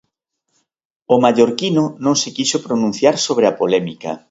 O mallorquino non se quixo pronunciar sobre a polémica.